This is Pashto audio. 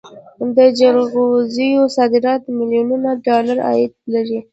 د جلغوزیو صادرات میلیونونه ډالر عاید لري